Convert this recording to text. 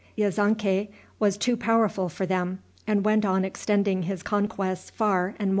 Yezonkai was too powerful for them, and went on extending his conquests far and wide.